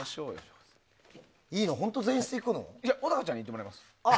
小高ちゃんに行ってもらいます。